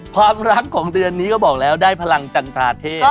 ความรักของเดือนนี้ก็บอกแล้วได้พลังจันทราเทพ